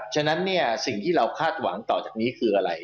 ฉะนั้นเนี่ยสิ่งที่เราคาดหวังต่อจากนี้คืออะไร